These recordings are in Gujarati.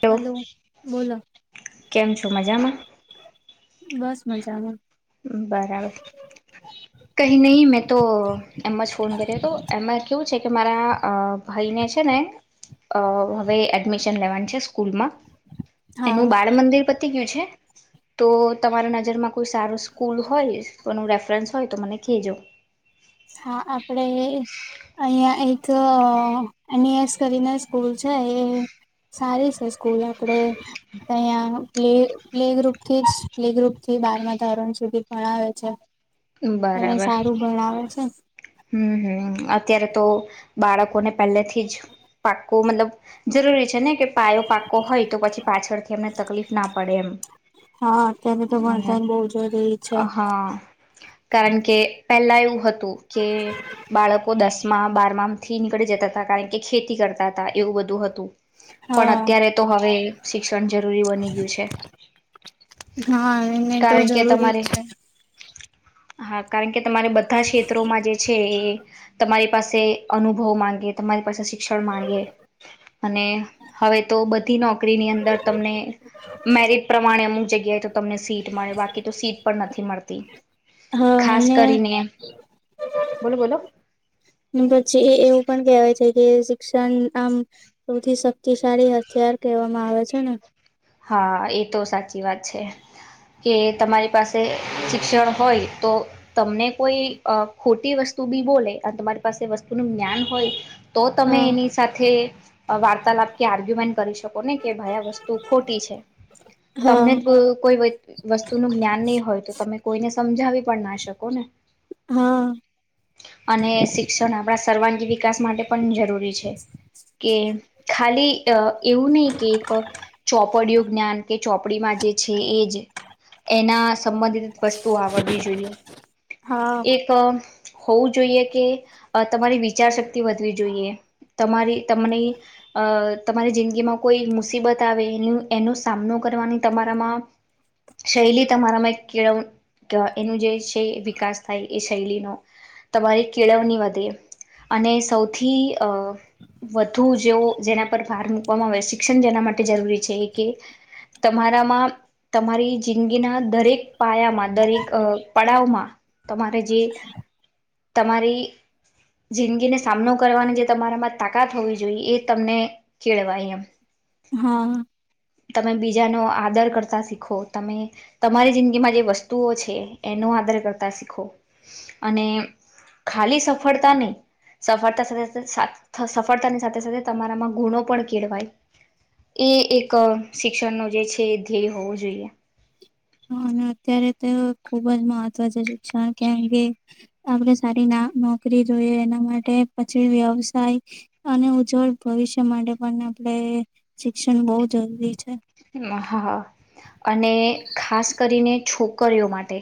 તો હલો બોલો કેમ છો મજામાં બસ મજામાં બરાબર કઈ નહી મેં તો એમજ ફોન કર્યો હતો એમાં કેવું છે કે મારા ભાઈને છે ને અ હવે એડમિશન લેવાની છે સ્કૂલમાં એનું હા બાળ મંદિર પતિ કયું છે. તો તમારા નજરમાં કોઈ સારું સ્કૂલ હોય કોનું રેફરન્સ હોય તો મને ખહેજો હા આપણેે અહંયા એક એન. એ. એસ કરીને સ્કૂલ છે એ સારી છે સ્કૂલ આપણે અહંયા પ્લ પ્લે ગ્રુપથી જ પ્લે ગ્રુપથી બારમાં ધોરણ સુધી ભણાવે છે. અઇ બરાબર સારું ભણાવે છે. હ હમ હમ અત્યારે તો બાળકોને પહેલેથી જ પાક્કું મતલબ જરૂરી છે ને કે પાયો પાકો હોય તો પછી પાછળથી એમને તકલીફ ના પડે એમ હા અત્યારે તો ભણતર બહુ જરૂરી છે. હા કારણ કે પહેલા એવું હતું કે બાળકો દસ માં બાર માં થી નીકળી જતા હતા કારણ કે ખેતી કરતા હતા એવું બધું હતું. પણ હા અત્યારે તો હવે શિક્ષણ જરૂરી બની ગયું છે, હા એને તો કારણ કે જરૂરી જ તમારે છે. હા કારણ કે તમારે બધા ત્રોમાં જે છે એ તમારી પાસે અનુભવ માંગે તમારી પાસે શિ ક્ષણ માંગે. અને હવે તો બધી નો કરી ની અંદર તમને મેરટ પ્રમાણે અમુક જગ્યાએ તો તમને સીટ મળે બાકી તો સીટ પણ નથી મળતી. હા ખાસ અને કરીને બોલો-બોલો. પછી એ એવું પણ કેહેવાય છે. જે શિક્ષણ આમ સૌથી શક્તિશાળી હથિયાર કહેવામાં આવે છે ને હા એ તો સાચી વાત છે કે તમારી પાસે શિક્ષણ હોય તો, તમને કોઈ ખોટી વસ્તુ બી બોલે અને તમારી પાસે વસ્તુનું જ્ઞાન હોય. તો તમે હા એની સાથે વાર્તાલાપ કે આર્ગ્યુમેન્ટ કરી શકો ને કે ભાઈ આ વસ્તુ ખોટી છે તમને હા કોઈ વસ્તુ ન જ્ઞાન નહીં હોય તો તમે કોઈને સમજાવી પણ ના શકો ને હા અને શિક્ષણ આપણા સર્વાંગી વિ વિકાસ માટે પણ જરૂરી છે કે ખાલી એવું નહી કે એક કળીયુ જ્ઞાન અને ચોપડીમાં જે છે એ એના સંબંધિત વસ્તુ આવડવી જોઈએ હા એક હોવું જોઈએ કે તમારી વિચારશક્તિ વધવી જોઈએ, તમારી તમને અ તમારી જિંદગીમાં કોઈ મુસીબત એનો સામનો કરવાની તમારામાં શૈલી તમારામાં કેળવ એનું જે છે, વિકાસ થાય એ શૈલીનો તમારી કેળવણી વધે અને સૌથી અ વધુ જેવો જેના પર ભાર મૂકવામાં આવે શિક્ષણ જેના માટે માટે જરૂરી છે એ કે તમારામાં તમારી જિંદગીના દરેક પાયામાં દરેક પડાવમાં તમારે જે તમારી જિંદગીને સામનો કરવાની જે તમારામાં તાકાત હોવી જોઈએ એ તમને કેળવાય એમ હા. તમે બીજાનો આદર કરતા શીખો. તમે તમારી જિંદગીમાં જે વસ્તુઓ છે, એનો આદર કરતા શીખો અને ખાલી સફળતા નહી સફળતા સાથે સફળતાની સાથે સાથે તમારામાં ગુણો પણ કેળવાય એ એક શિક્ષણનો જે છે ધ્યેય હોવો જોઈએ. હા અને અત્યારે તો ખુબ જ મહત્વ છે. શા કેે આપણે સારી ના નોકરી જોઈએ એના માટે પછી વ્યવસાય અને ઉજ્જવળ ભવિષ્ય માટે પણ આપણે શિક્ષણ બહુ જરૂરી છે. હા અને ખાસ કરીને છોકરીઓ માટે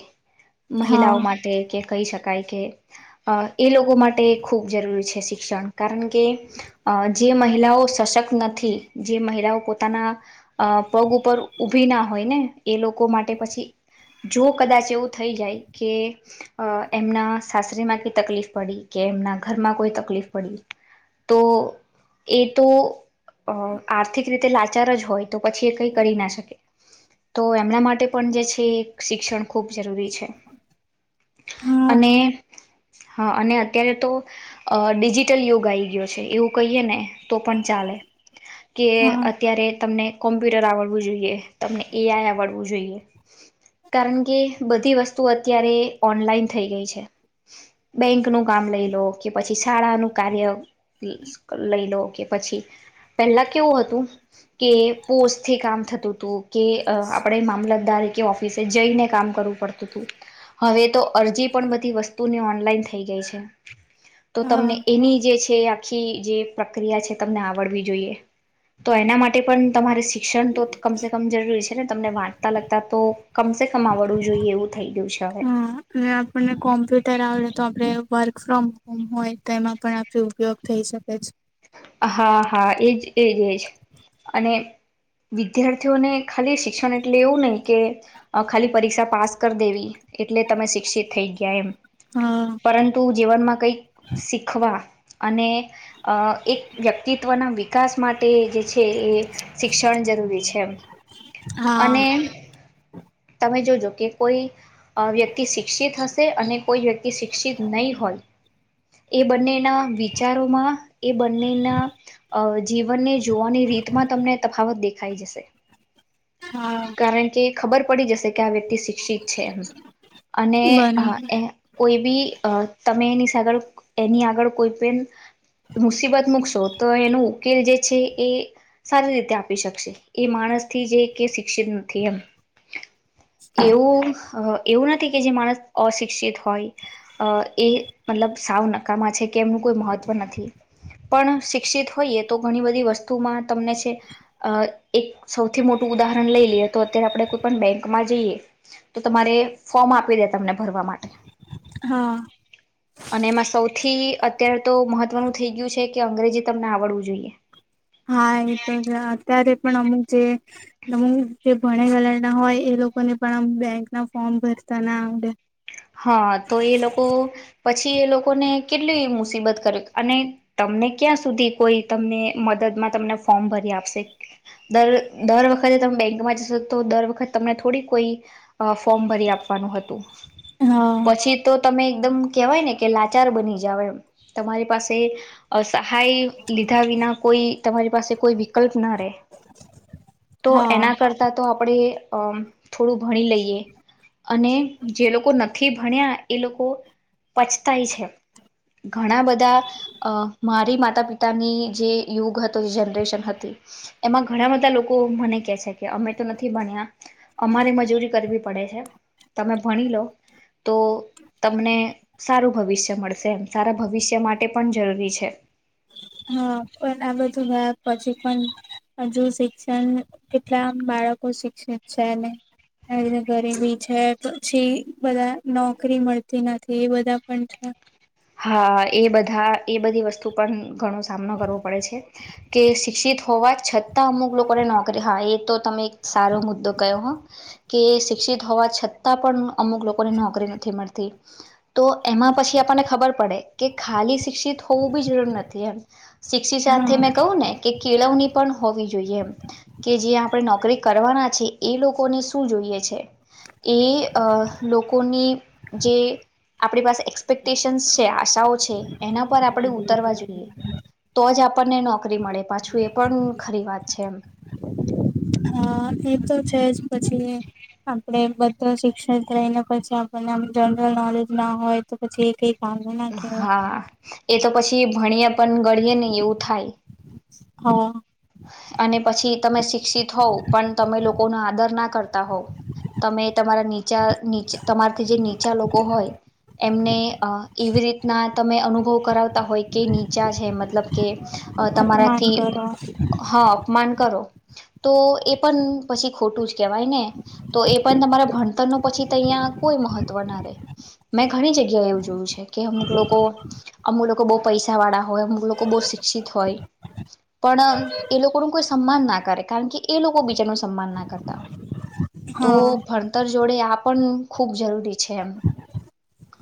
હા મહિલાઓ માટે કે કહી શકાય કે અ એ લોકો માટે ખૂબ જરૂરી છે શિક્ષણ કારણ કે જે મહિલાઓ સશક્ત નથી જે મહિલાઓ પોતાના અ પગ ઉપર ઊભી ના હોય ને એ લોકો માટે પછી જો કદાચ એવું થઈ જાય કે અ એમના સાસરીમાં ક તકલીફ પડી કે એમના ઘરમાં કોઈ તકલીફ પડી તો એ તો આર્થિક રીતે લાચાર જ હોય તો પછી એ કઈ કરી ના શકે તો એમના માટે પણ જે છે એ શિક્ષણ ખૂબ જરૂરી છે હા અને હા અને અત્યારે તો અ ડિજિટલ યુગ આવી ગયો છે એવું કહીએ ને તો પણ ચાલે કે હા અત્યારે તમને કોમ્પ્યુટર આવડવું જોઈએ તમને એઆઈ આવડવું જોઈએ કારણ કે બધી વસ્તુઓ અત્યારે ઓનલાઈન થઈ ગઈ છે બેંક નું કામ લઈ લો કે પછી શાળાનુંું કાર્ય લઈ લો કે પછી પેલા કેવું હતું કે પોસ્ટથી કામ થતું હતું કે અ આપડણે મામલતદાર ઓફિસે જઈને કામ કરવું પડતું હતું હવે તો અરજી પણ બધી વસ્તુની ઓનલાઈન થઈ ગઈ છે તો હા તમને એવી જે છે જે આખી જે પ્રક્રિયા છે તમને આવડવી જોઈએ તો એના માટે પણ તમારે સી શિક્ષણ તો કમ સ કમ જરૂરી છે ને તમને વાંચતા લગતા તો કમ સે કમ આવડવું જોઈએ એવું થઈ ગયું છે હવે હા અને આપણને કોમ્પ્યુટર આવડે તો આપડે વર્ક ફ્રોમ હોમ હોય તો એમાં પણ આપ ઉપયોગ થઈ શકે છે હા હા એજ એજ એજ અને વિદ્યાર્થીઓને ખાલી શિક્ષણ એટલે એવું નહી કે ખાલી પરીક્ષા પાસ કરી દેવી એટલે તમે શિક્ષિત થઈ ગયા એમ હા પરંતુ જીવનમાં કંઈક શીખવા અને એક વ્યક્તિત્વના વિકાસ માટે જે છે એ શિક્ષણ જરૂરી છે હા અને તમે જોજો કે કોઈ અ વ્યક્તિ શિક્ષિત હશે અને કોઈ વ્યક્તિ શિક્ષિત નહી હોય એ બંનેના વિચારોમાં એ બંનેના જીવનને જોવાની રીતમાં તમને તફાવત દેખાઈ જશે હા કારણ કે ખબર પડી જશે કે આ વ્યક્તિ શિક્ષિત છે અને બરાબર એ કોઈ બ તમે એની એની આગળ કોઈ પણ મુસીબત મૂકશો તો એનો ઉકેલ જે છે એ સારી રીતે આપી શકશે એ માણસ થી જે શિક્ષિત નથી એમ એવું એવું નથી કે જે માણસ અશિક્ષિત હોય એ મતલબ સાવ નકામાં છે કે એમનું કોઈ મહત્વ નથી પણ શિક્ષિત હોઈએ તો ઘણી બધી વસ્તુમાં તમને છે એક સૌથી મોટી ઉદાહરણ લઈ લઈએ તો અત્યારે આપણે કોઈ પણ બેંકમાં જઈએ તો તમારે ફોર્મ આપી દે તમને ભરવા માટે હા અને એમાં સૌથી અત્યારે તો મહત્વનું થઈ ગયું છે કે અંગ્રેજી તમને આવડવું જોઈએ હા એ તો જ અત્યારે પણ અમુક જે તમ જે ભણે ગલર ના હોય એ લોકોને પણ આમ બેંક ના ફોર્મ ભરતા ના આવડે હા તો એ લોકો પછી એ લોકોને કેટલી મુસીબત કર અને તમને ક્યાં સુધી કોઈ તમને મદદમાં તમને ફોર્મ ભરી આપશે દર દર વખતે તમે બેંકમાં જશો તો દર વખત તમને થોડી કોઈ ફોર્મ ભરી આપવાનું હતું હા પછી તો તમે એકદમ કવાય ને કે લાચાર બની જાવ એ તમારી પાસે સહાય લીધા વિના કોઈ તમારી પાસે કોઈ વિકલ્પ ના રહે તો હા. એના કરતા તો આપણે અમ થોડું ભણી લઈએ અને જે લોકો ભણ્યા એ લોકો પચતાય છે ઘણા બધા મારી માતા પિતાની જે યુગ હતો જે જનરેશન હતી એમાં ઘણા બધા લોકો મને કે છે કે અમે તો નથી ભણ્યા અમારે મજૂરી કરવી પડે છે તમે ભણી લો તો તમને સારું ભવિષ્ય મળશે એમ સારા ભવિષ્ય માટે પણ જરૂરી છે હા પણ આ બધું વા પછી પણ હજુ શિક્ષણ કેટલા બાળકો શિક્ષિત છે ને ગરીબી છે પછી બધા નોકરી મળતી નથી એ બધા પણ છે હા એ બધા એ બધી વસ્તુ પણ ઘણો સામનો કરવો પડે છે કે શિક્ષિત હોવા છતાં અમુક લોકોને નોકરી હા એ તો તમે એક સારો મુદ્દો કયો હ કે શિક્ષિત હોવા છતાં પણ અમુક લોકોને નોકરી નથી મળતી હ તો એમાં પછી આપણને ખબર કે ખલી સ શિક્ષિત હોવું બી જરૂર નથી એ શિક્ષિત સાથે હા. મે કહું ને કે કેળવણી પણ હોવી જોઈએ એમ કે જે આપણે નોકરી કરવાના છ એ લોકોને શું જોઈએ છે એ લોકોની જે આપણી પાસે એક્સપેક્ટેશનસ આશા છે એના પર આપણે ઉતરવા જોઈએ તો જ આપણને નોકરી મળે પાછું એ પણ ખરી વાત છે એમ અ એ તો છે જ પછી આપણે બધા શિક્ષક લઈને પછી આપણને આ જનરલ નોલેજ ના હોય તો પછી એક હા એ તો પછી ભણ્યા પણ ગળીએ ને એવું થાય હા અને પછી તમે શિક્ષિત હોવ પણ તમે લોકોનો આદર ના કરતા હોવ તમે તમારા નીચા ની તમારથી જે નીચા લોકો હોય એમને એવી રીતના તમે અનુભવ કરાવતા હોય કે નીચા છે મતલબ કે અપમાન તમારાથી કરો ઓફ અપમાન કરો તો એ પણ પછી ખોટું જ કહેવાય ને તો એ પણ તમારા ભણતર ન પછી અહીં કોઈ મહત્વ ના રહેે મેં ઘણી જગ્યા એવું જોયું છે કે અમુક લોકો અમુક લોકો બહુ પૈસા વાળા હોય અમુક લોકો બહુ શિક્ષિત હોય પણ એ લોકો ન કોઈ સન્માન ના કરે કારણ કે એ લોકો બીજાનું સન્માન ના કરતા હોય તો હા ભણતર જોડે આ પણ ખૂબ જરૂરી છે એમ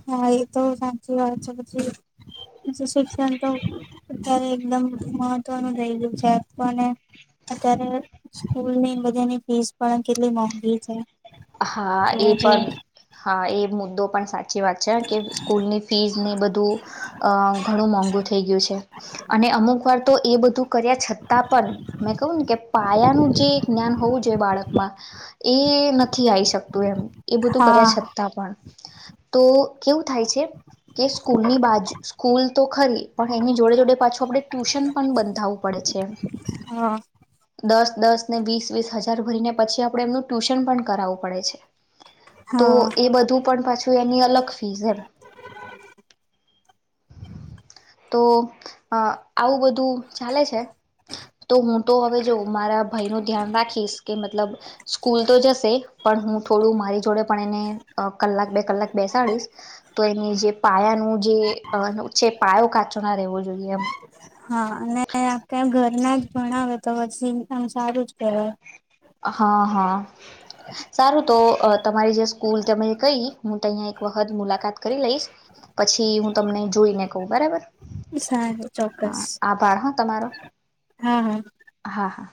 હા એ તો સાચી વાત છે પછી શિક્ષણ તો અત્યારે એકદમ મહત્વનું રઈ ગયું છે [unintelligible] સ્કૂલની બધાની ફીસ પણ કેટલી મોંગી છે હા એ જોવા જઈએ પણ હા એ મુદ્દો પણ સાથે સાચી વાત છે કે સ્કૂલની ફીઝની બધું અ ઘણું મોંઘુ થઈ ગયું છે અને અમુક વાર તો એ બધું કર્યા છતાં પણ મેં કહું ને કે પાયાનું જે જ્ઞાન હોવું જોઈએ બાળકમાં એ નથી આવી શકતું એમ એ બધું હા કર્યા છતાં પણ તો કેવું થાય છે કે સ્કૂલની બાજુ સ્કૂલ તો ખરી પણ એની જોડે જોડે પાછું આપણે ટ્યુશન પણ બંધાવવું પડે છે હા દસ દસ ને વીસ વીસ હજાર ભરીને પછી આપડે એમનું ટ્યુશન પણ કરાવવું પડે છે તો હા એ બધું પણ પાછું તો એની અલગ ફીસ એમ તો આવું બધું ચાલે છે તો હું તો હવે જો મારા ભાઈ ન ધ્યાન રાખીશ કે મતલબ સ્કૂલ તો જશે પણ હું થોડું મારી જોડે પણ એને કલાક બે કલાક બેસાડીશ તો એની જે પાયાનું જે છે પાયો કાચો ના રહેેવો જોઈએ એમ હા અનેને ક ઘરના જ ભણાવે તો પછી સંસારું જ ક હા હા સારું તો તમારી જે સ્કૂલ તમે કઈ હું તહીંયા એક વખત મુલાકાત કરી લઈશ પછી હું તમને જોઈને કહ બરાબર સારું ચોક્કસ હા આભાર હા તમારો હા હા. હા હા